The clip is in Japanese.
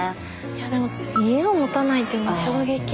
でも家を持たないっていうのは衝撃。